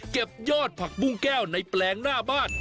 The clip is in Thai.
ยอดผักบุ้งแก้วในแปลงหน้าบ้าน